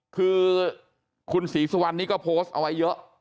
คือคุณศรีศวัญนี้โพสต์เอาไว้เยอะ